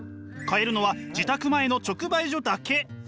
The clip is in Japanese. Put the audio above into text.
買えるのは自宅前の直売所だけ。